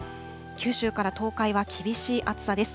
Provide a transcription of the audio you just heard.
九州から東海は厳しい暑さです。